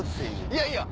いやいや。